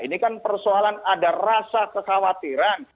ini kan persoalan ada rasa kekhawatiran